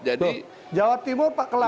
jawa timur pak kelana masih